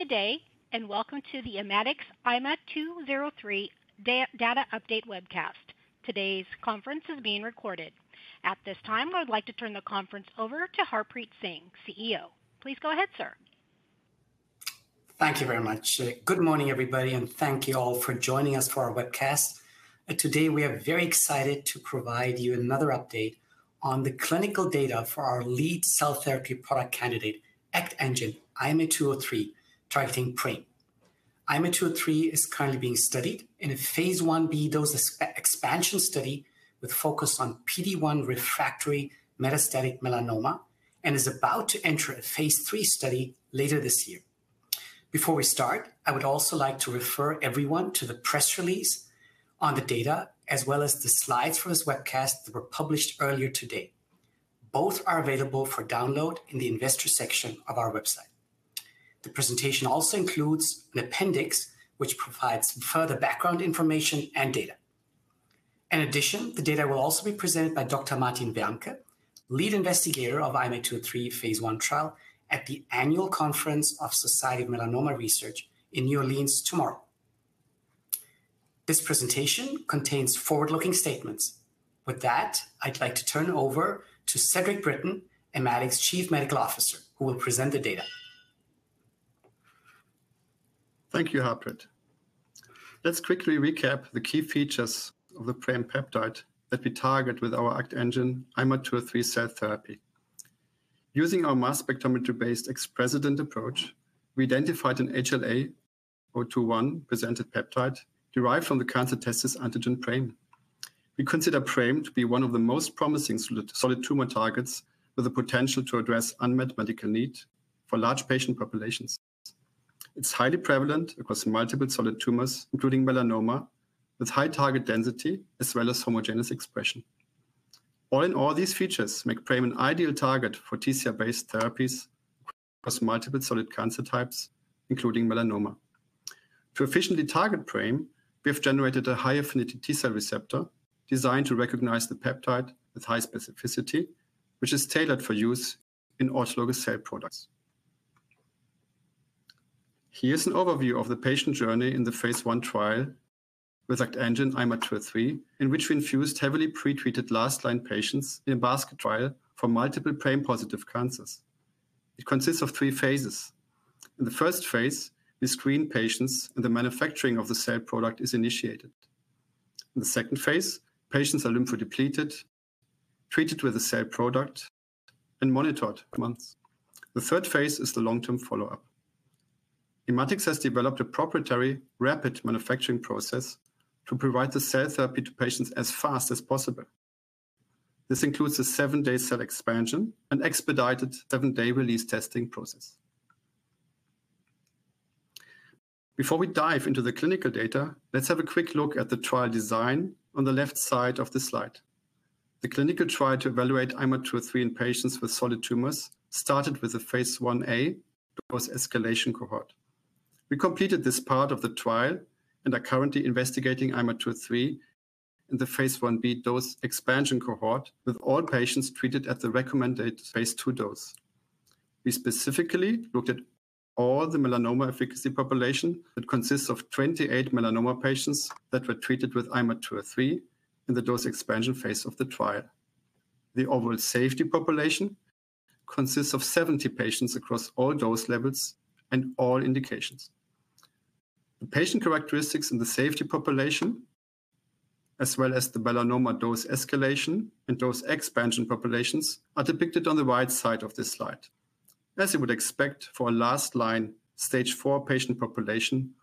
Good day, and welcome to the Immatics IMA203 Data Update webcast. Today's conference is being recorded. At this time, I would like to turn the conference over to Harpreet Singh, CEO. Please go ahead, sir. Thank you very much. Good morning, everybody, and thank you all for joining us for our webcast. Today, we are very excited to provide you another update on the clinical data for our lead cell therapy product candidate, ACTengine IMA203, targeting PRAME. IMA203 is currently being studied in a phase 1b dose expansion study with focus on PD-1 refractory metastatic melanoma, and is about to enter a phase III study later this year. Before we start, I would also like to refer everyone to the press release on the data, as well as the slides from this webcast that were published earlier today. Both are available for download in the Investor section of our website. The presentation also includes an appendix, which provides further background information and data. In addition, the data will also be presented by Dr. Martin Wermke, lead investigator of IMA203 phase I trial at the annual conference of the Society for Melanoma Research in New Orleans tomorrow. This presentation contains forward-looking statements. With that, I'd like to turn over to Cedrik Britten, Immatics Chief Medical Officer, who will present the data. Thank you, Harpreet. Let's quickly recap the key features of the PRAME peptide that we target with our ACTengine IMA203 cell therapy. Using our mass spectrometer-based XPRESIDENT approach, we identified an HLA-A*02:01-presented peptide derived from the cancer-testis antigen PRAME. We consider PRAME to be one of the most promising solid tumor targets with the potential to address unmet medical need for large patient populations. It's highly prevalent across multiple solid tumors, including melanoma, with high target density as well as homogeneous expression. All in all, these features make PRAME an ideal target for TCR-based therapies across multiple solid cancer types, including melanoma. To efficiently target PRAME, we have generated a high-affinity T cell receptor designed to recognize the peptide with high specificity, which is tailored for use in autologous cell products. Here's an overview of the patient journey in the phase 1 trial with ACTengine IMA203, in which we infused heavily pretreated last line patients in a basket trial for multiple PRAME-positive cancers. It consists of three phases. In the first phase, we screen patients, and the manufacturing of the cell product is initiated. In the second phase, patients are lymphodepleted, treated with the cell product, and monitored for months. The third phase is the long-term follow-up. Immatics has developed a proprietary rapid manufacturing process to provide the cell therapy to patients as fast as possible. This includes a seven-day cell expansion and expedited seven-day release testing process. Before we dive into the clinical data, let's have a quick look at the trial design on the left side of the slide. The clinical trial to evaluate IMA203 in patients with solid tumors started with the Phase 1a dose escalation cohort. We completed this part of the trial and are currently investigating IMA203 in the Phase 1b dose expansion cohort, with all patients treated at the recommended phase II dose. We specifically looked at all the melanoma efficacy population that consists of twenty-eight melanoma patients that were treated with IMA203 in the dose expansion phase of the trial. The overall safety population consists of seventy patients across all dose levels and all indications. The patient characteristics in the safety population, as well as the melanoma dose escalation and dose expansion populations, are depicted on the right side of this slide. As you would expect for a last line, Stage IV patient population,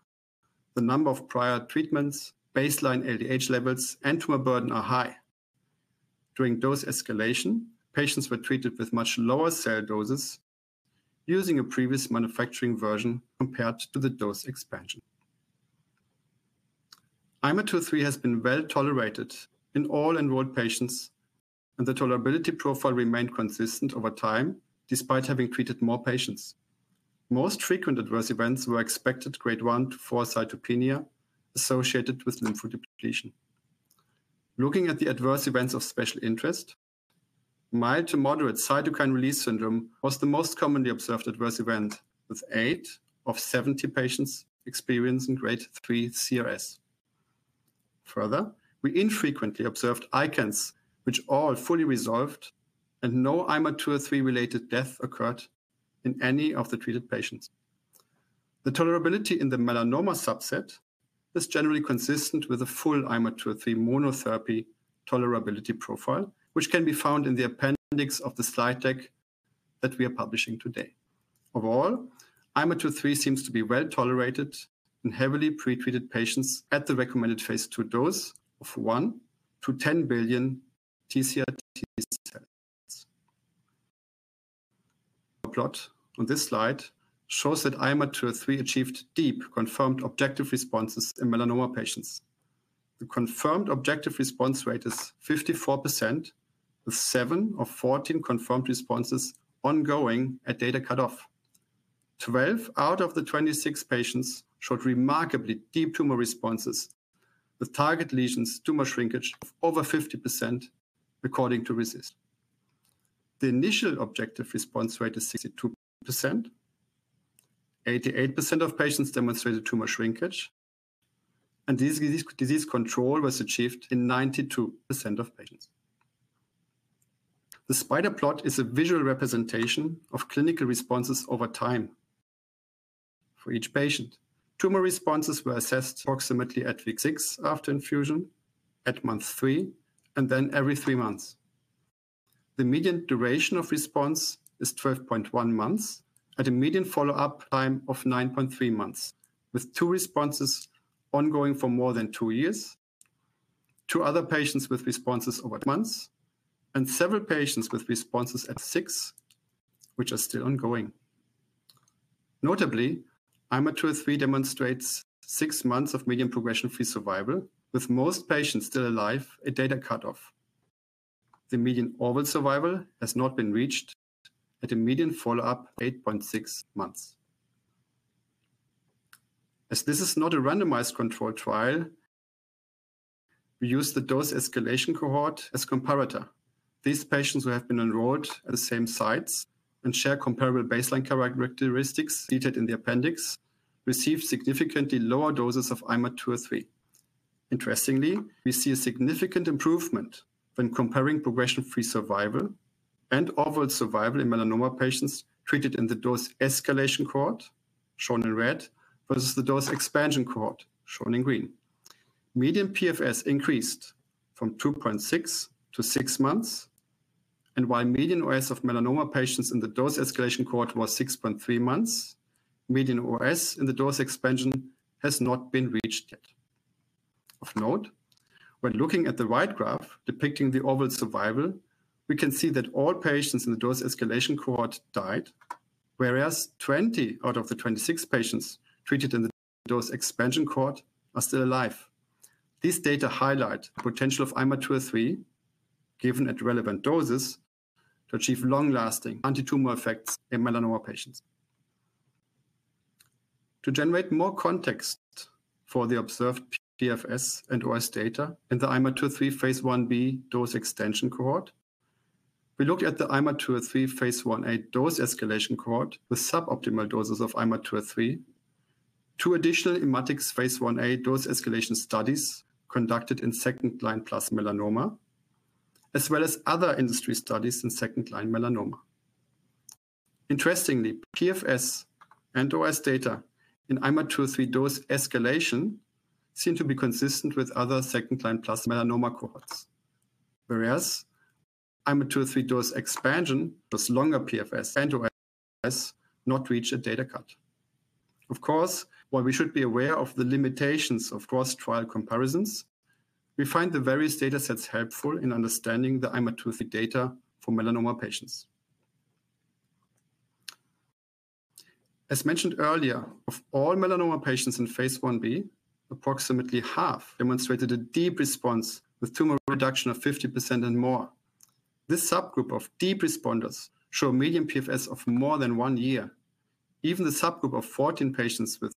the number of prior treatments, baseline LDH levels, and tumor burden are high. During dose escalation, patients were treated with much lower cell doses using a previous manufacturing version compared to the dose expansion. IMA203 has been well tolerated in all enrolled patients, and the tolerability profile remained consistent over time, despite having treated more patients. Most frequent adverse events were expected Grade I to IV cytopenia associated with lymphodepletion. Looking at the adverse events of special interest, mild to moderate cytokine release syndrome was the most commonly observed adverse event, with eight of 70 patients experiencing Grade III CRS. Further, we infrequently observed ICANS, which all fully resolved, and no IMA203-related death occurred in any of the treated patients. The tolerability in the melanoma subset is generally consistent with a full IMA203 monotherapy tolerability profile, which can be found in the appendix of the slide deck that we are publishing today. Overall, IMA203 seems to be well-tolerated in heavily pretreated patients at the recommended Phase II dose of 1 to 10 billion TCR T cells. The plot on this slide shows that IMA203 achieved deep confirmed objective responses in melanoma patients. The confirmed objective response rate is 54%, with 7 of 14 confirmed responses ongoing at data cutoff. Twelve out of the 26 patients showed remarkably deep tumor responses, with target lesions tumor shrinkage of over 50% according to RECIST. The initial objective response rate is 62%. Eighty-eight percent of patients demonstrated tumor shrinkage, and disease control was achieved in 92% of patients. The spider plot is a visual representation of clinical responses over time for each patient. Tumor responses were assessed approximately at week six after infusion, at month three, and then every three months. The median duration of response is 12.1 months at a median follow-up time of 9.3 months, with two responses ongoing for more than two years, two other patients with responses over months, and several patients with responses at six, which are still ongoing. Notably, IMA203 demonstrates six months of median progression-free survival, with most patients still alive at data cutoff. The median overall survival has not been reached at a median follow-up of 8.6 months. As this is not a randomized controlled trial, we use the dose escalation cohort as comparator. These patients, who have been enrolled at the same sites and share comparable baseline characteristics stated in the appendix, received significantly lower doses of IMA203. Interestingly, we see a significant improvement when comparing progression-free survival and overall survival in melanoma patients treated in the dose escalation cohort, shown in red, versus the dose expansion cohort, shown in green. Median PFS increased from 2.6-6 months, and while median OS of melanoma patients in the dose escalation cohort was 6.3 months, median OS in the dose expansion has not been reached yet. Of note, when looking at the right graph depicting the overall survival, we can see that all patients in the dose escalation cohort died, whereas 20 out of the 26 patients treated in the dose expansion cohort are still alive. These data highlight the potential of IMA203, given at relevant doses, to achieve long-lasting antitumor effects in melanoma patients. To generate more context for the observed PFS and OS data in the IMA203 phase 1b dose expansion cohort, we look at the IMA203 phase 1a dose escalation cohort with suboptimal doses of IMA203, two additional Immatics phase 1a dose escalation studies conducted in second-line plus melanoma, as well as other industry studies in second-line melanoma. Interestingly, PFS and OS data in IMA203 dose escalation seem to be consistent with other second-line plus melanoma cohorts, whereas IMA203 dose expansion plus longer PFS and OS not reach a data cut. Of course, while we should be aware of the limitations of cross-trial comparisons, we find the various datasets helpful in understanding the IMA203 data for melanoma patients. As mentioned earlier, of all melanoma patients in phase Ib, approximately half demonstrated a deep response with tumor reduction of 50% and more. This subgroup of deep responders show a median PFS of more than one year. Even the subgroup of 14 patients with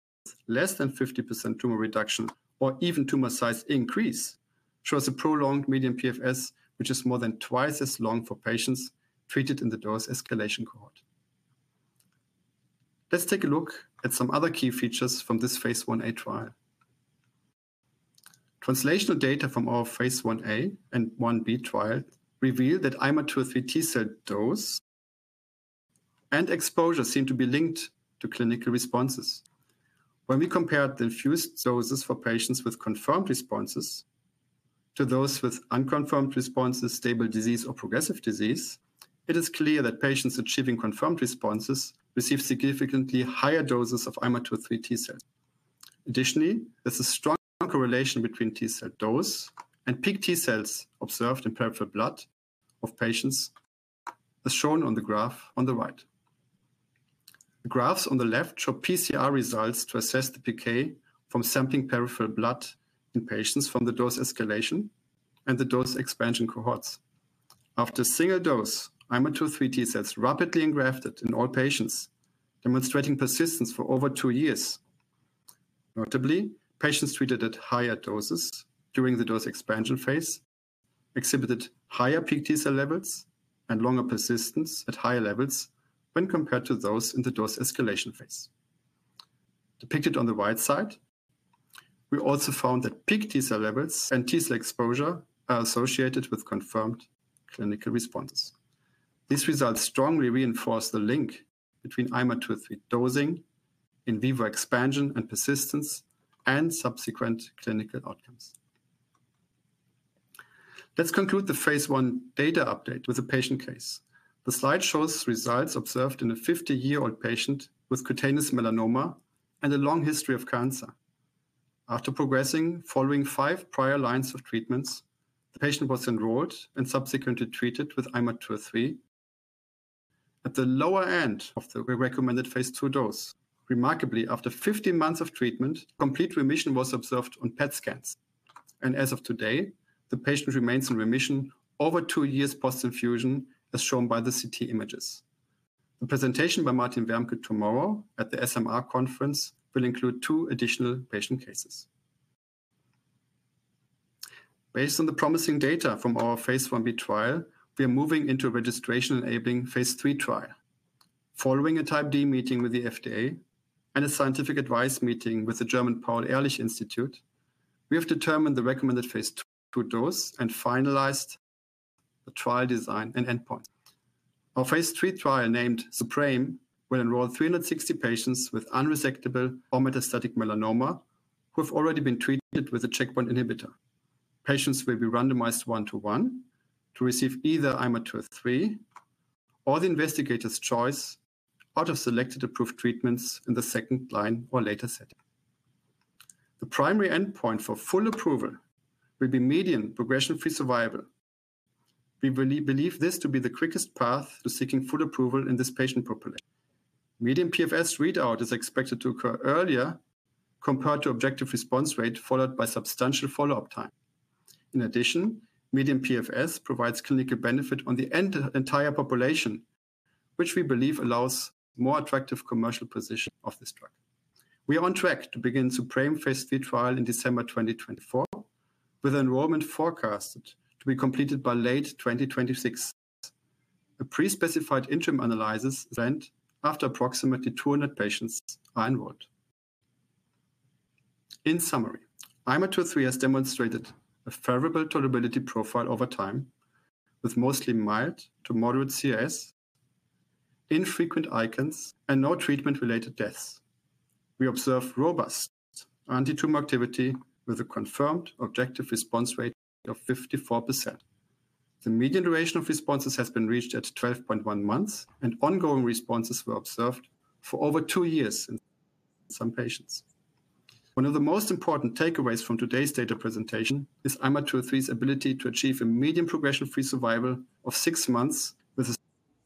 less than 50% tumor reduction or even tumor size increase, shows a prolonged median PFS, which is more than twice as long for patients treated in the dose escalation cohort. Let's take a look at some other key features from this phase 1a trial. Translational data from our phase 1a and 1b trial reveal that IMA203 T cell dose and exposure seem to be linked to clinical responses. When we compared the infused doses for patients with confirmed responses to those with unconfirmed responses, stable disease, or progressive disease, it is clear that patients achieving confirmed responses receive significantly higher doses of IMA203 T cell. Additionally, there's a strong correlation between T cell dose and peak T cells observed in peripheral blood of patients, as shown on the graph on the right. The graphs on the left show PCR results to assess the decay from sampling peripheral blood in patients from the dose escalation and the dose expansion cohorts. After single dose, IMA203 T cells rapidly engrafted in all patients, demonstrating persistence for over two years. Notably, patients treated at higher doses during the dose expansion phase exhibited higher peak T cell levels and longer persistence at higher levels when compared to those in the dose escalation phase. Depicted on the right side, we also found that peak T cell levels and T cell exposure are associated with confirmed clinical responses. These results strongly reinforce the link between IMA203 dosing, in vivo expansion and persistence, and subsequent clinical outcomes. Let's conclude the phase I data update with a patient case. The slide shows results observed in a 50-year-old patient with cutaneous melanoma and a long history of cancer. After progressing following five prior lines of treatments, the patient was enrolled and subsequently treated with IMA203 at the lower end of the recommended phase II dose. Remarkably, after 50 months of treatment, complete remission was observed on PET scans, and as of today, the patient remains in remission over two years post-infusion, as shown by the CT images. The presentation by Martin Wermke tomorrow at the SMR conference will include two additional patient cases. Based on the promising data from our phase Ib trial, we are moving into a registration-enabling phase III trial. Following a Type D meeting with the FDA and a scientific advice meeting with the German Paul-Ehrlich-Institut, we have determined the recommended phase II dose and finalized the trial design and endpoint. Our phase III trial, named SUPREME, will enroll 360 patients with unresectable or metastatic melanoma who have already been treated with a checkpoint inhibitor. Patients will be randomized one-to-one to receive either IMA203 or the investigator's choice out of selected approved treatments in the second line or later setting. The primary endpoint for full approval will be median progression-free survival. We believe this to be the quickest path to seeking full approval in this patient population. Median PFS readout is expected to occur earlier compared to objective response rate, followed by substantial follow-up time. In addition, median PFS provides clinical benefit on the entire population, which we believe allows more attractive commercial position of this drug. We are on track to begin SUPREME phase III trial in December 2024, with enrollment forecasted to be completed by late 2026. A pre-specified interim analysis is planned after approximately 200 patients are enrolled. In summary, IMA203 has demonstrated a favorable tolerability profile over time, with mostly mild to moderate CRS, infrequent ICANS, and no treatment-related deaths. We observed robust antitumor activity with a confirmed objective response rate of 54%. The median duration of responses has been reached at 12.1 months, and ongoing responses were observed for over two years in some patients. One of the most important takeaways from today's data presentation is IMA203's ability to achieve a median progression-free survival of six months, with a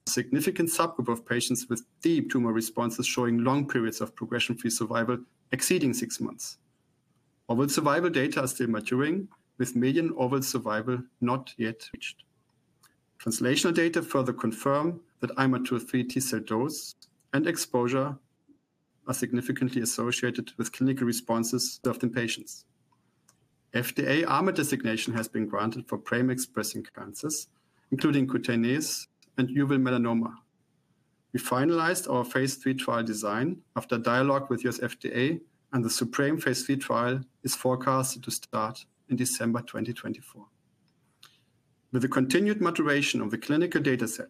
significant subgroup of patients with deep tumor responses showing long periods of progression-free survival exceeding six months. Overall survival data are still maturing, with median overall survival not yet reached. Translational data further confirm that IMA203 T-cell dose and exposure are significantly associated with clinical responses observed in patients. RMAT designation has been granted for PRAME-expressing cancers, including cutaneous and uveal melanoma. We finalized our phase III trial design after dialogue with U.S. FDA, and the SUPREME phase III trial is forecasted to start in December 2024. With the continued maturation of the clinical data set,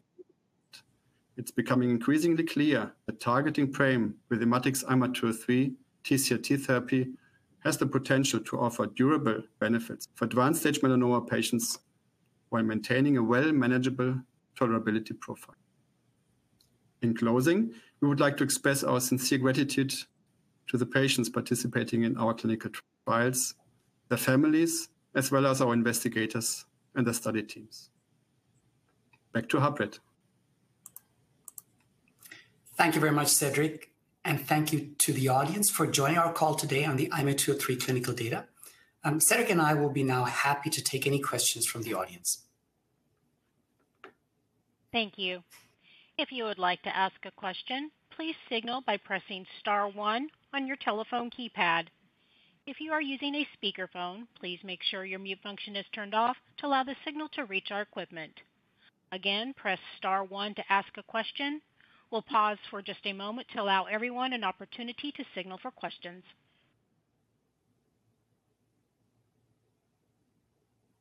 it's becoming increasingly clear that targeting PRAME with Immatics IMA203 TCR-T therapy has the potential to offer durable benefits for advanced-stage melanoma patients while maintaining a well-manageable tolerability profile. In closing, we would like to express our sincere gratitude to the patients participating in our clinical trials, their families, as well as our investigators and the study teams. Back to Harpreet. Thank you very much, Cedrik, and thank you to the audience for joining our call today on the IMA203 clinical data. Cedrik and I will be now happy to take any questions from the audience. Thank you. If you would like to ask a question, please signal by pressing star one on your telephone keypad. If you are using a speakerphone, please make sure your mute function is turned off to allow the signal to reach our equipment. Again, press star one to ask a question. We'll pause for just a moment to allow everyone an opportunity to signal for questions.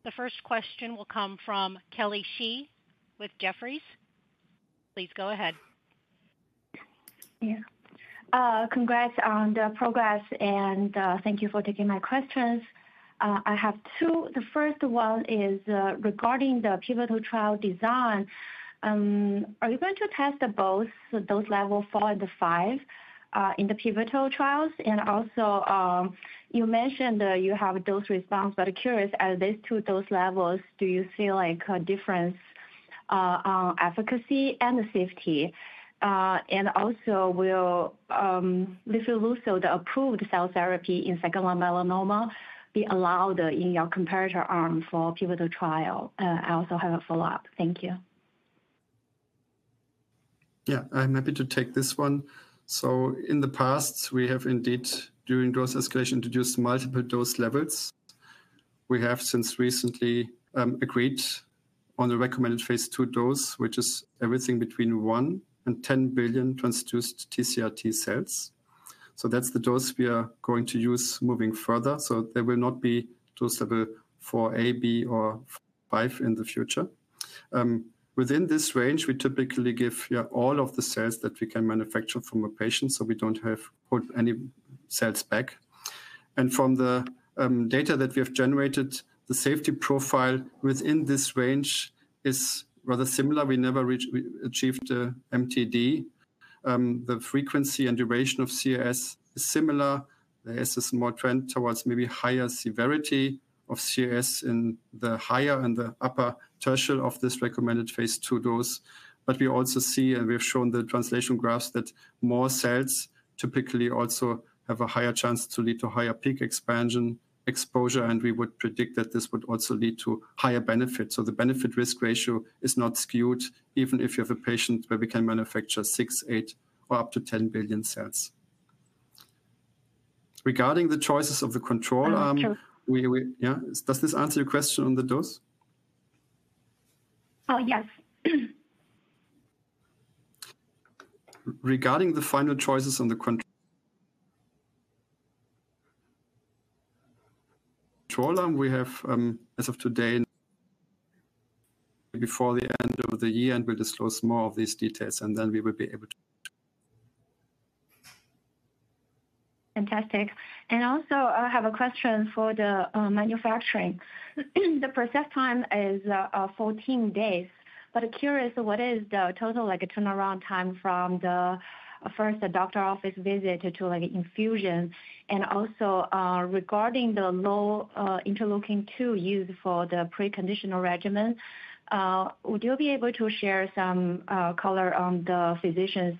The first question will come from Kelly Shi with Jefferies. Please go ahead. Yeah. Congrats on the progress, and, thank you for taking my questions. I have two. The first one is, regarding the pivotal trial design. Are you going to test the both dose level four and the five, in the pivotal trials? And also, you mentioned you have dose response, but curious at these two dose levels, do you see, like, a difference, on efficacy and safety? And also, will, lifileucel, the approved cell therapy in second-line melanoma, be allowed in your comparator arm for pivotal trial? I also have a follow-up. Thank you. Yeah, I'm happy to take this one. So in the past, we have indeed, during dose escalation, introduced multiple dose levels. We have since recently agreed on the recommended phase II dose, which is everything between one and ten billion transduced TCR-T cells. So that's the dose we are going to use moving further, so there will not be dose levels 4a, 4b, or five in the future. Within this range, we typically give, yeah, all of the cells that we can manufacture from a patient, so we don't have to put any cells back. And from the data that we have generated, the safety profile within this range is rather similar. We never reached an MTD. The frequency and duration of CRS is similar. There is a small trend towards maybe higher severity of CRS in the higher and the upper threshold of this recommended phase II dose. But we also see, and we have shown the translation graphs, that more cells typically also have a higher chance to lead to higher peak expansion exposure, and we would predict that this would also lead to higher benefits. So the benefit-risk ratio is not skewed, even if you have a patient where we can manufacture six, eight, or up to ten billion cells.... Regarding the choices of the control arm, we. Yeah, does this answer your question on the dose? Oh, yes. Regarding the final choices on the control arm, we have, as of today, before the end of the year, and we'll disclose more of these details, and then we will be able to- Fantastic. And also, I have a question for the manufacturing. The process time is 14 days, but curious, what is the total, like, a turnaround time from the first doctor office visit to, like, infusion? And also, regarding the low interleukin-2 used for the preconditioning regimen, would you be able to share some color on the physician's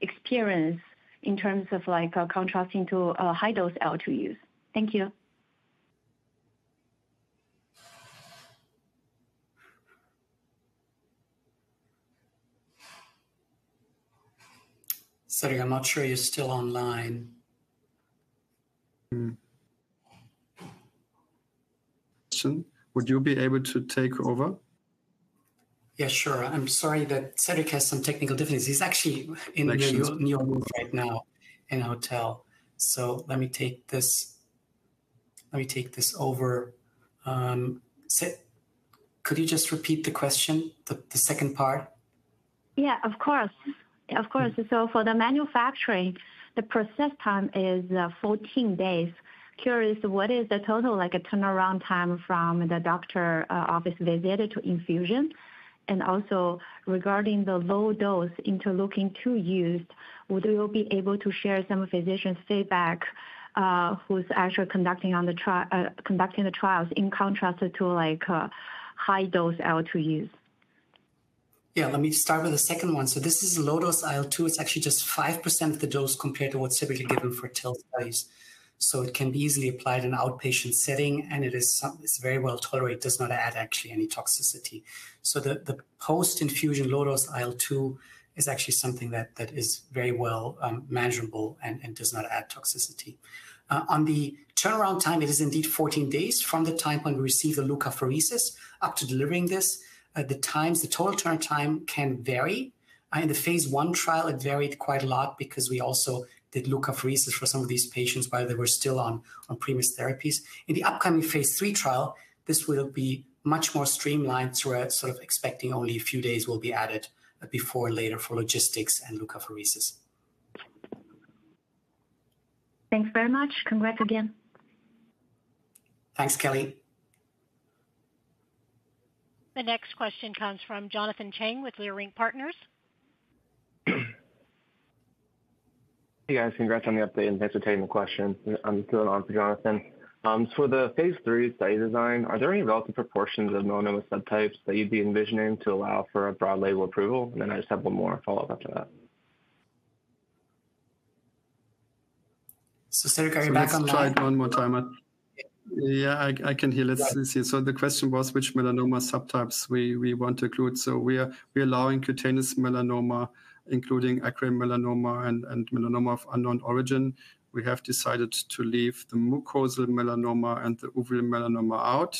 experience in terms of like contrasting to high-dose IL-2 use? Thank you. Cedrik, I'm not sure you're still online. Hmm. Would you be able to take over? Yeah, sure. I'm sorry that Cedrik has some technical difficulties. He's actually in New York right now in a hotel. So let me take this over. So could you just repeat the question, the second part? Yeah, of course. Of course. So for the manufacturing, the process time is fourteen days. Curious, what is the total, like a turnaround time from the doctor, office visit to infusion, and also regarding the low dose interleukin-2 used, would you be able to share some physician's feedback, who's actually conducting the trials in contrast to, like, high-dose IL-2 use? Yeah, let me start with the second one. So this is low-dose IL-2. It's actually just 5% of the dose compared to what's typically given for TIL studies. So it can be easily applied in an outpatient setting, and it is very well tolerated, does not add actually any toxicity. So the post-infusion low-dose IL-2 is actually something that is very well manageable and does not add toxicity. On the turnaround time, it is indeed 14 days from the time when we receive a leukapheresis up to delivering this. The total turnaround time can vary. In the phase I trial, it varied quite a lot because we also did leukapheresis for some of these patients while they were still on previous therapies. In the upcoming phase III trial, this will be much more streamlined. So we're sort of expecting only a few days will be added before and later for logistics and leukapheresis. Thanks very much. Congrats again. Thanks, Kelly. The next question comes from Jonathan Chang with Leerink Partners. Hey, guys. Congrats on the update, and thanks for taking the question. I'm still on for Jonathan. So, for the phase III study design, are there any relative proportions of melanoma subtypes that you'd be envisioning to allow for a broad label approval? And then I just have one more follow-up after that. So, Cedrik, are you back online? Let's try it one more time. Yeah, I can hear. Let's see. So the question was, which melanoma subtypes we want to include? So we are allowing cutaneous melanoma, including acral melanoma and melanoma of unknown origin. We have decided to leave the mucosal melanoma and the uveal melanoma out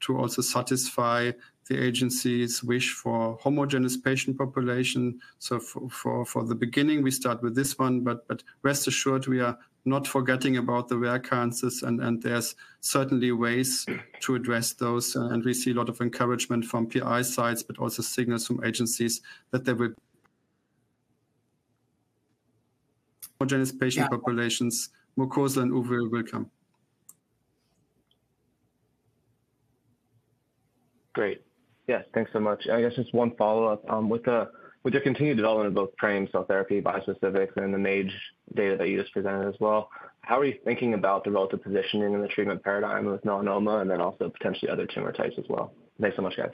to also satisfy the agency's wish for homogeneous patient population. So for the beginning, we start with this one, but rest assured, we are not forgetting about the rare cancers, and there's certainly ways to address those. We see a lot of encouragement from PI sides, but also signals from agencies that there will homogeneous patient populations, mucosal and uveal will come. Great. Yes, thanks so much. I guess just one follow-up. With the continued development of both PRAME cell therapy, bispecific, and the MAGE data that you just presented as well, how are you thinking about the relative positioning in the treatment paradigm with melanoma and then also potentially other tumor types as well? Thanks so much, guys.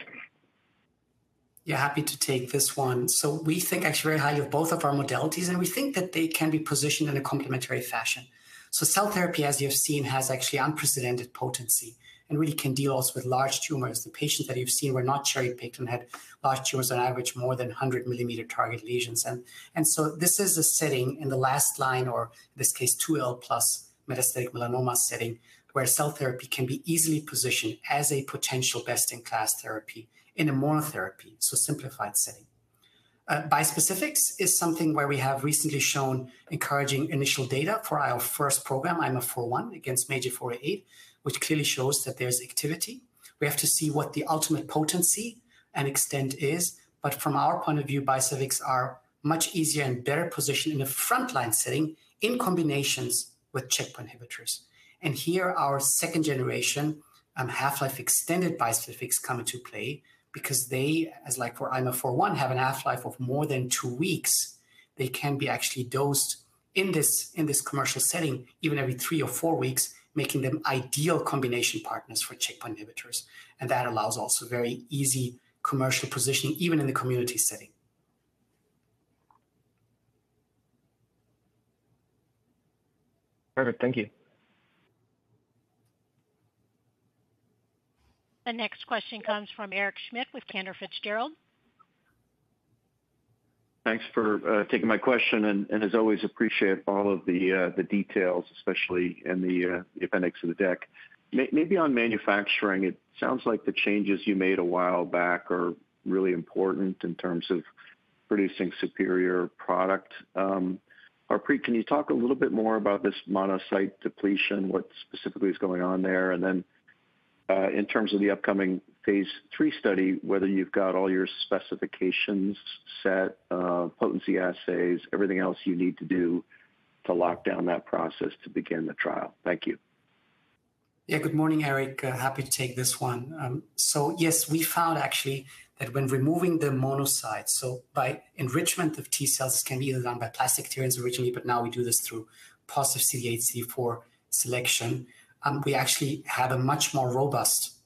Yeah, happy to take this one. So we think actually very highly of both of our modalities, and we think that they can be positioned in a complementary fashion. So cell therapy, as you've seen, has actually unprecedented potency and really can deal also with large tumors. The patients that you've seen were not cherry-picked and had large tumors on average, more than 100 millimeter target lesions. And so this is a setting in the last line, or in this case, two L plus metastatic melanoma setting, where cell therapy can be easily positioned as a potential best-in-class therapy in a monotherapy, so simplified setting. Bispecifics is something where we have recently shown encouraging initial data for our first program, IMA401, against MAGE-A4/A8, which clearly shows that there's activity. We have to see what the ultimate potency and extent is, but from our point of view, bispecifics are much easier and better positioned in a frontline setting in combinations with checkpoint inhibitors. And here, our second generation, half-life extended bispecifics come into play because they, as like for IMA401, have a half-life of more than two weeks. They can be actually dosed in this commercial setting even every three or four weeks, making them ideal combination partners for checkpoint inhibitors. And that allows also very easy commercial positioning, even in the community setting. Perfect. Thank you. The next question comes from Eric Schmidt with Cantor Fitzgerald. Thanks for taking my question, and as always, appreciate all of the details, especially in the appendix of the deck. Maybe on manufacturing, it sounds like the changes you made a while back are really important in terms of producing superior product. Harpreet, can you talk a little bit more about this monocyte depletion, what specifically is going on there? And then in terms of the upcoming phase III study, whether you've got all your specifications set, potency assays, everything else you need to do to lock down that process to begin the trial. Thank you. Yeah. Good morning, Eric. Happy to take this one. So yes, we found actually that when removing the monocyte, so by enrichment of T-cells, can be done by plastic adherence originally, but now we do this through positive CD8/CD4 selection, we actually have a much more robust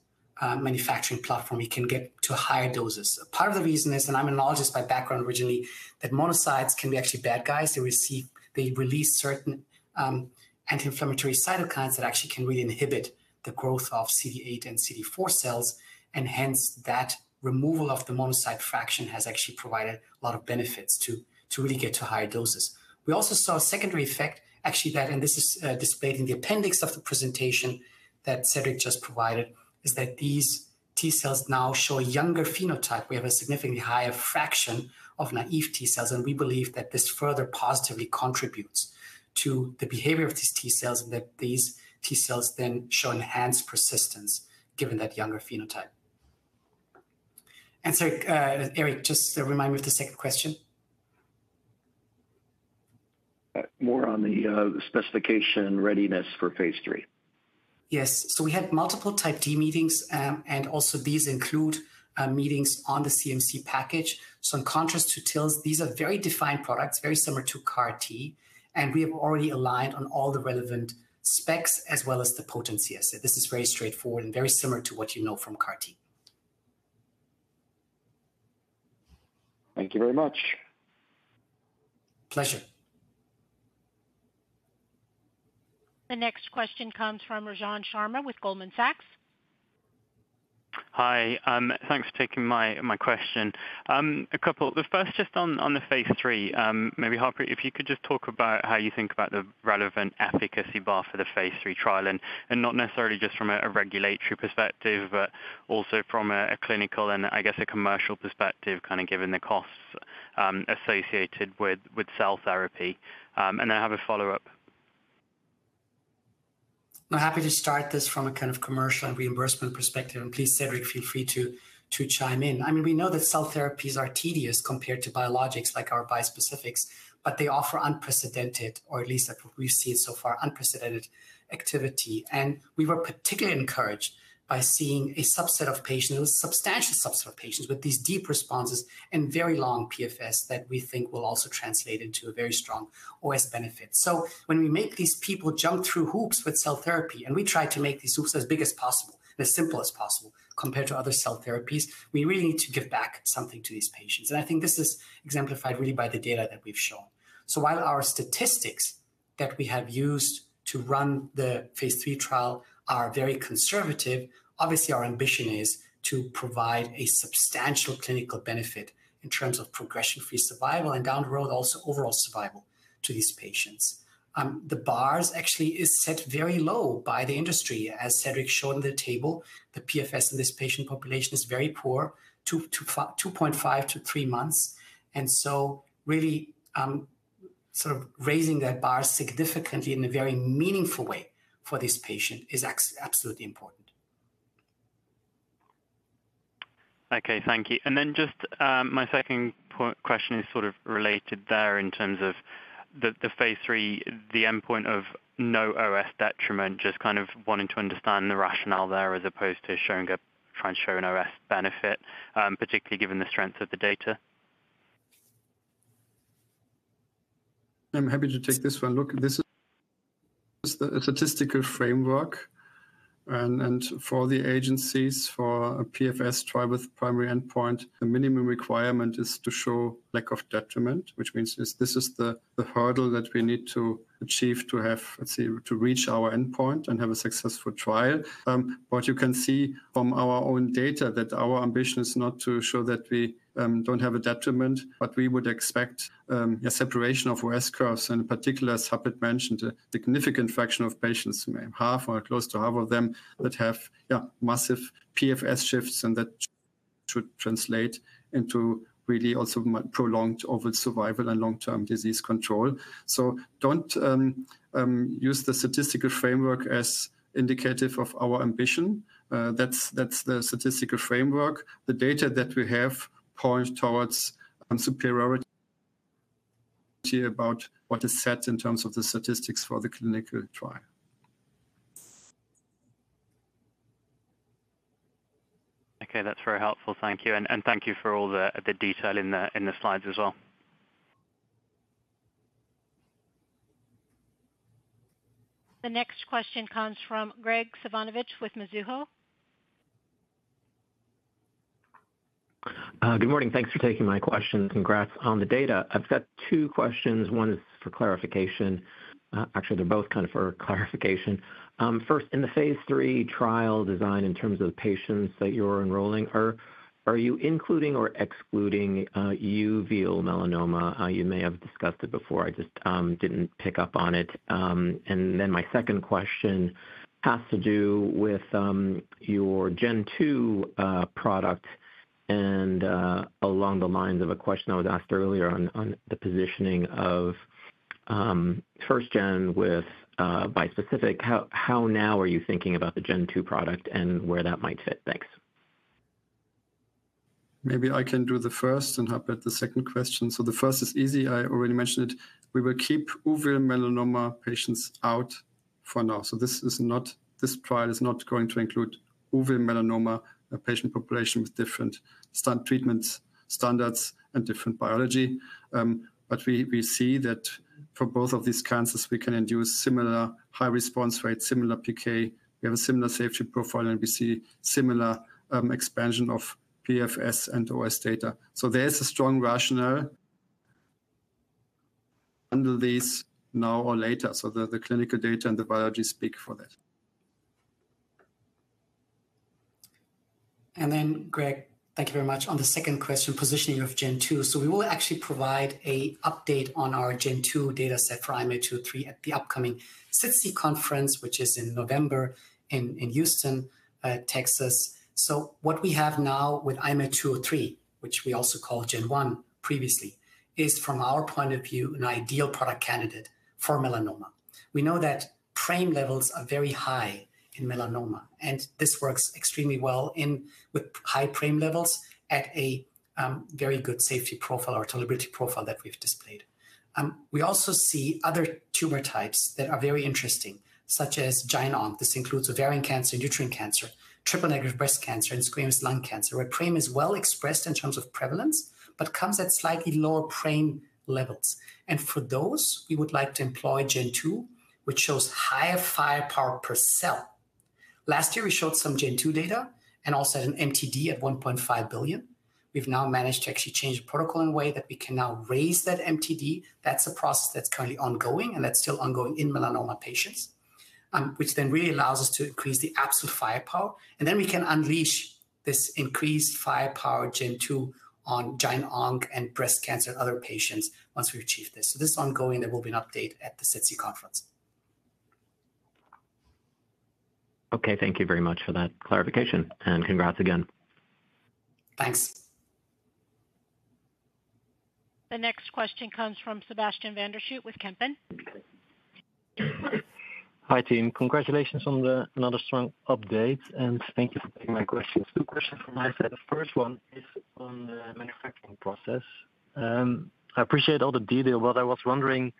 manufacturing platform. We can get to higher doses. Part of the reason is, and I'm an oncologist by background originally, that monocytes can be actually bad guys. They release certain anti-inflammatory cytokines that actually can really inhibit the growth of CD8 and CD4 cells, and hence, that removal of the monocyte fraction has actually provided a lot of benefits to really get to higher doses. We also saw a secondary effect, actually, that, and this is, displayed in the appendix of the presentation that Cedrik just provided, is that these T-cells now show a younger phenotype. We have a significantly higher fraction of naive T-cells, and we believe that this further positively contributes to the behavior of these T-cells, and that these T-cells then show enhanced persistence given that younger phenotype. And so, Eric, just remind me of the second question. More on the specification readiness for phase III. Yes. So we had multiple Type D meetings, and also these include meetings on the CMC package. So in contrast to TILs, these are very defined products, very similar to CAR T, and we have already aligned on all the relevant specs as well as the potency assay. This is very straightforward and very similar to what you know from CAR T. Thank you very much. Pleasure. The next question comes from Rajan Sharma with Goldman Sachs. Hi, thanks for taking my question. A couple. The first, just on the phase III, maybe Harpreet, if you could just talk about how you think about the relevant efficacy bar for the phase III trial, and not necessarily just from a regulatory perspective, but also from a clinical and I guess a commercial perspective, kind of given the costs associated with cell therapy. And I have a follow-up. I'm happy to start this from a kind of commercial and reimbursement perspective, and please, Cedrik, feel free to chime in. I mean, we know that cell therapies are tedious compared to biologics like our bispecifics, but they offer unprecedented, or at least what we've seen so far, unprecedented activity, and we were particularly encouraged by seeing a subset of patients, a substantial subset of patients, with these deep responses and very long PFS that we think will also translate into a very strong OS benefit. So when we make these people jump through hoops with cell therapy, and we try to make these hoops as big as possible and as simple as possible compared to other cell therapies, we really need to give back something to these patients. I think this is exemplified really by the data that we've shown. While our statistics that we have used to run the phase III trial are very conservative, obviously our ambition is to provide a substantial clinical benefit in terms of progression-free survival and down the road, also overall survival to these patients. The bar is actually set very low by the industry. As Cedrik showed in the table, the PFS in this patient population is very poor, 2-2.5-3 months, and so really, sort of raising that bar significantly in a very meaningful way for this patient is absolutely important. Okay, thank you. And then just my second point, question is sort of related there in terms of the phase III, the endpoint of no OS detriment, just kind of wanting to understand the rationale there as opposed to trying to show an OS benefit, particularly given the strength of the data. I'm happy to take this one. Look, this is the statistical framework, and for the agencies, for a PFS trial with primary endpoint, the minimum requirement is to show lack of detriment, which means this is the hurdle that we need to achieve to have, let's say, to reach our endpoint and have a successful trial. What you can see from our own data, that our ambition is not to show that we don't have a detriment, but we would expect a separation of OS curves, and in particular, as Harpreet mentioned, a significant fraction of patients, half or close to half of them, that have massive PFS shifts and that should translate into really also prolonged overall survival and long-term disease control. So don't use the statistical framework as indicative of our ambition. That's the statistical framework. The data that we have point towards a superiority about what is set in terms of the statistics for the clinical trial. Okay, that's very helpful. Thank you. And thank you for all the detail in the slides as well. The next question comes from Graig Suvannavejh with Mizuho. ... Good morning. Thanks for taking my question. Congrats on the data. I've got two questions. One is for clarification. Actually, they're both kind of for clarification. First, in the phase III trial design in terms of patients that you're enrolling, are you including or excluding uveal melanoma? You may have discussed it before. I just didn't pick up on it. And then my second question has to do with your Gen 2 product, and along the lines of a question that was asked earlier on, on the positioning of first-gen with bispecific. How now are you thinking about the Gen 2 product and where that might fit? Thanks. Maybe I can do the first, and Herbert, the second question. So the first is easy. I already mentioned it. We will keep uveal melanoma patients out for now. So this is not this trial is not going to include uveal melanoma, a patient population with different standard treatments, standards, and different biology. But we see that for both of these cancers, we can induce similar high response rates, similar PK. We have a similar safety profile, and we see similar expansion of PFS and OS data. So there is a strong rationale under this now or later, so the clinical data and the biology speak for that. And then, Graig, thank you very much. On the second question, positioning of gen two, so we will actually provide an update on our gen two dataset for IMA203 at the upcoming SITC conference, which is in November in Houston, Texas. What we have now with IMA203, which we also call gen one previously, is, from our point of view, an ideal product candidate for melanoma. We know that PRAME levels are very high in melanoma, and this works extremely well with high PRAME levels at a very good safety profile or tolerability profile that we've displayed. We also see other tumor types that are very interesting, such as GYN onc. This includes ovarian cancer, uterine cancer, triple-negative breast cancer, and squamous lung cancer, where PRAME is well expressed in terms of prevalence but comes at slightly lower PRAME levels. And for those, we would like to employ gen two, which shows higher firepower per cell. Last year, we showed some gen two data and also had an MTD at 1.5 billion. We've now managed to actually change the protocol in a way that we can now raise that MTD. That's a process that's currently ongoing, and that's still ongoing in melanoma patients, which then really allows us to increase the absolute firepower, and then we can unleash this increased firepower gen two on GYN onc and breast cancer and other patients once we achieve this. So this is ongoing, there will be an update at the SITC conference. Okay, thank you very much for that clarification, and congrats again. Thanks. The next question comes from Sebastiaan van der Schoot with Kempen. Hi, team. Congratulations on the, another strong update, and thank you for taking my questions. Two questions from my side. The first one is on the manufacturing process. I appreciate all the detail, but I was wondering,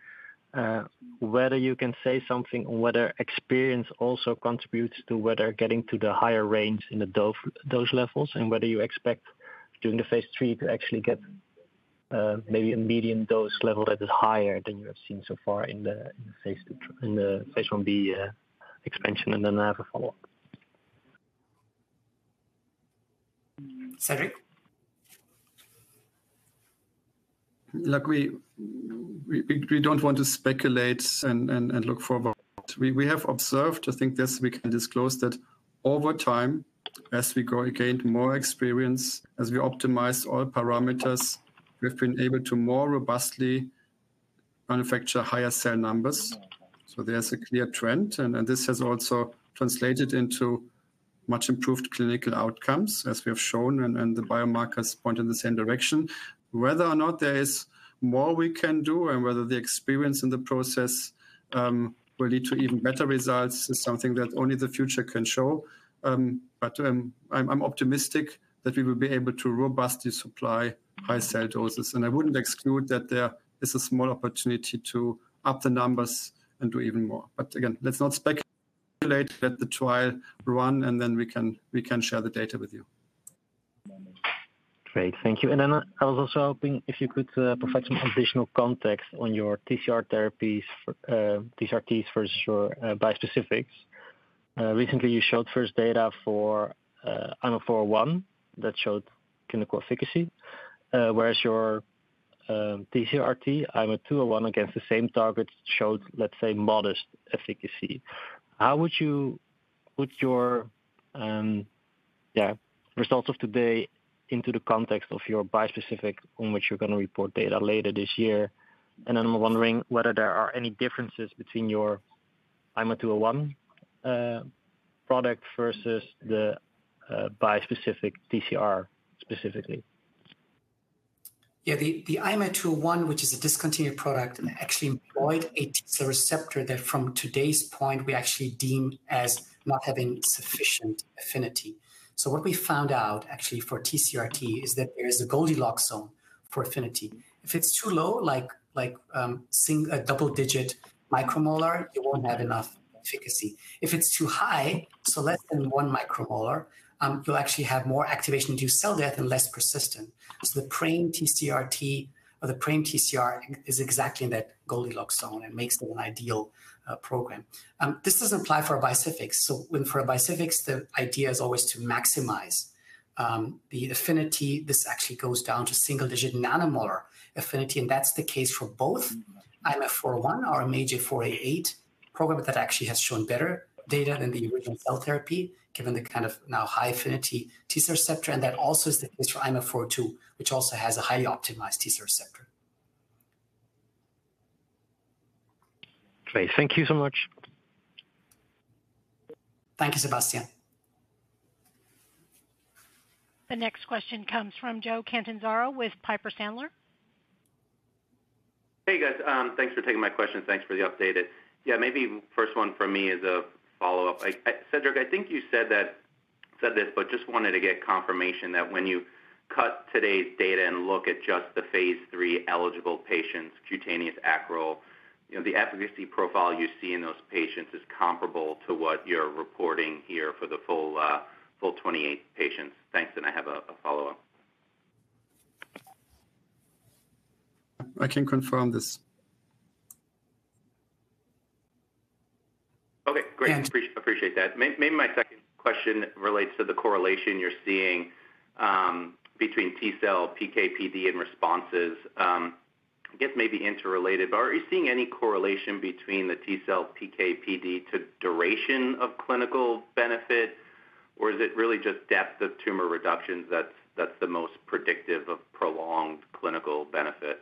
whether you can say something on whether experience also contributes to whether getting to the higher range in the dose, dose levels and whether you expect, during the phase III, to actually get, maybe a median dose level that is higher than you have seen so far in the phase II, in the phase I B, expansion. And then I have a follow-up. Cedric? Look, we don't want to speculate and look forward. We have observed, I think this we can disclose, that over time, as we go, again, more experience, as we optimize all parameters, we've been able to more robustly manufacture higher cell numbers. So there's a clear trend, and this has also translated into much improved clinical outcomes, as we have shown, and the biomarkers point in the same direction. Whether or not there is more we can do and whether the experience in the process will lead to even better results is something that only the future can show. But I'm optimistic that we will be able to robustly supply high cell doses, and I wouldn't exclude that there is a small opportunity to up the numbers and do even more. But again, let's not speculate. Let the trial run, and then we can share the data with you. Great, thank you. And then I was also hoping if you could provide some additional context on your TCR therapies, TCRTs for sure, bispecifics. Recently, you showed first data for IMA401 that showed clinical efficacy, whereas your TCRT, IMA201, against the same target, showed, let's say, modest efficacy. How would you put your results of today into the context of your bispecific, on which you're gonna report data later this year? And then I'm wondering whether there are any differences between your IMA201 product versus the bispecific TCR specifically. Yeah, the IMA201, which is a discontinued product, and actually employed a T cell receptor that, from today's point, we actually deemed as not having sufficient affinity. So what we found out, actually, for TCR-T is that there is a Goldilocks zone for affinity. If it's too low, like single- and double-digit micromolar, you won't have enough efficacy. If it's too high, so less than one micromolar, you'll actually have more activation-induced cell death and less persistence. So the PRAME TCR-T or the PRAME TCR is exactly in that Goldilocks zone and makes it an ideal program. This doesn't apply for bispecifics. So for bispecifics, the idea is always to maximize the affinity. This actually goes down to single-digit nanomolar affinity, and that's the case for both-... IMA401, our MAGE-A4/A8 program that actually has shown better data than the original cell therapy, given the kind of now high-affinity T-cell receptor, and that also is the case for IMA402, which also has a highly optimized T-cell receptor. Okay. Thank you so much. Thank you, Sebastiaan. The next question comes from Joe Catanzaro with Piper Sandler. Hey, guys. Thanks for taking my question. Thanks for the update. Yeah, maybe first one for me is a follow-up. Cedrik, I think you said that, but just wanted to get confirmation that when you cut today's data and look at just the phase III eligible patients, cutaneous acral, you know, the efficacy profile you see in those patients is comparable to what you're reporting here for the full 28 patients. Thanks, and I have a follow-up. I can confirm this. Okay, great. Yeah. Appreciate that. Maybe my second question relates to the correlation you're seeing between T-cell, PK, PD, and responses. I guess maybe interrelated, but are you seeing any correlation between the T-cell, PK, PD to duration of clinical benefit, or is it really just depth of tumor reductions that's the most predictive of prolonged clinical benefit?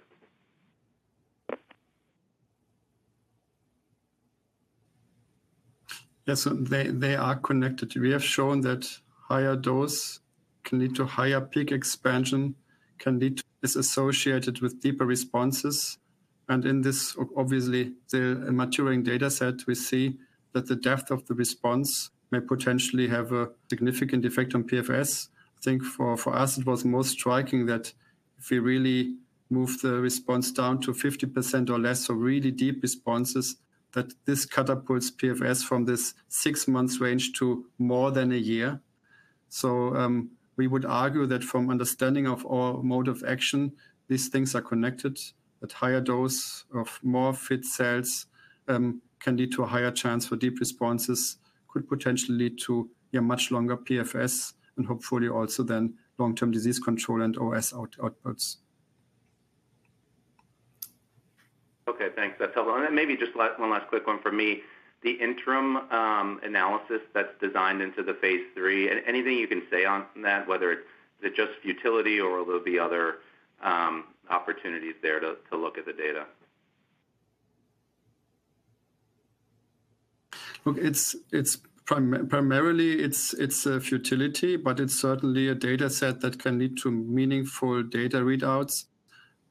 Yes, they are connected. We have shown that higher dose can lead to higher peak expansion, can lead to... is associated with deeper responses, and in this obviously, the maturing data set, we see that the depth of the response may potentially have a significant effect on PFS. I think for us, it was most striking that if we really move the response down to 50% or less, so really deep responses, that this cutoff puts PFS from this six months range to more than a year. So, we would argue that from understanding of our mode of action, these things are connected. At higher dose of more fit cells, can lead to a higher chance for deep responses, could potentially lead to a much longer PFS and hopefully also then long-term disease control and OS outputs. Okay, thanks. That's helpful. And then maybe just one last quick one for me. The interim analysis that's designed into the phase III, anything you can say on that, whether it's just futility or there'll be other opportunities there to look at the data? Look, it's primarily a futility, but it's certainly a data set that can lead to meaningful data readouts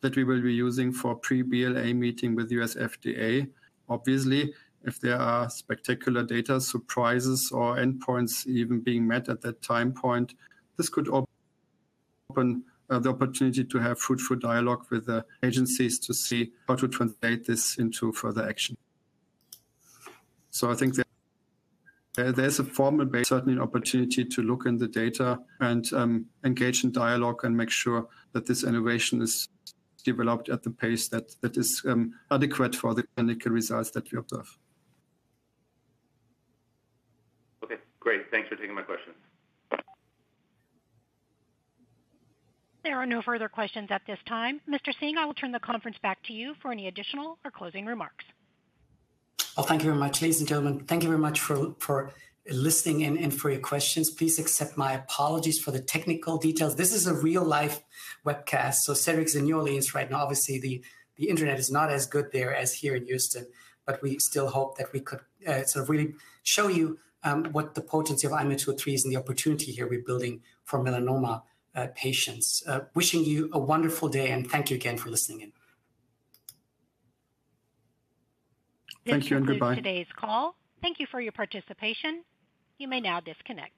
that we will be using for pre-BLA meeting with the U.S. FDA. Obviously, if there are spectacular data surprises or endpoints even being met at that time point, this could open the opportunity to have fruitful dialogue with the agencies to see how to translate this into further action. So I think there's a formal base, certainly an opportunity to look in the data and engage in dialogue and make sure that this innovation is developed at the pace that is adequate for the clinical results that we observe. Okay, great. Thanks for taking my questions. There are no further questions at this time. Mr. Singh, I will turn the conference back to you for any additional or closing remarks. Well, thank you very much. Ladies and gentlemen, thank you very much for listening and for your questions. Please accept my apologies for the technical details. This is a real-life webcast, so Cedrik's in New Orleans right now. Obviously, the internet is not as good there as here in Houston, but we still hope that we could sort of really show you what the potency of IMA203 and the opportunity here we're building for melanoma patients. Wishing you a wonderful day, and thank you again for listening in. Thank you, and goodbye. This concludes today's call. Thank you for your participation. You may now disconnect.